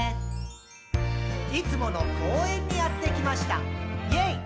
「いつもの公園にやってきました！イェイ！」